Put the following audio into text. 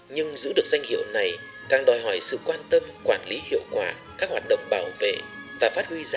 nhưng giữ được danh hiệu này càng đòi hỏi sự quan tâm quản lý hiệu quả các hoạt động bảo vệ và phát huy giá trị